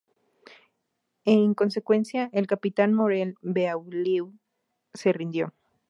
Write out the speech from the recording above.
En consecuencia, el capitán Morel-Beaulieu se rindió.